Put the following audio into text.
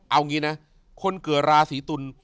เอางี้นะคนเกิดราศีตุล